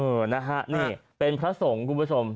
เออนะครับนี่เป็นพระสงฆ์คุณผู้ชม